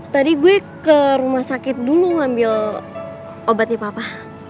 tadi gue ke rumah sakit dulu ngambil obatnya papa